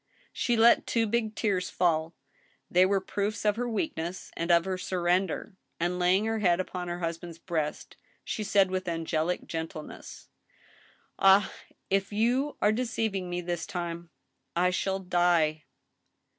She let two big tears fall ; they were proofs of her weakness and pf her surrender; and, laying her head upon her husband's breast, she said, with angelic gentleness :Ah ! if you are deceiving me this time, I shall die."